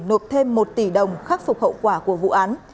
nộp thêm một tỷ đồng khắc phục hậu quả của vụ án